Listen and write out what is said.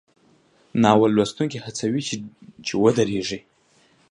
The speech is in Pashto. ناول لوستونکی هڅوي چې ودریږي.